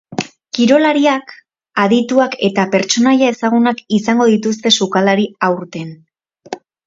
Kirolariak, adituak eta pertsonaia ezagunak izango dituzte sukaldari aurten.